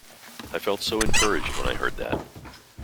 I felt so encouraged when I heard that.